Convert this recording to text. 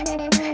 kau mau kemana